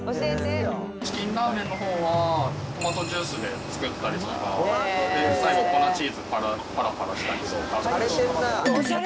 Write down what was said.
チキンラーメンのほうは、トマトジュースで作ったりとか、最後粉チーズをぱらぱらしたりして食べたりしてます。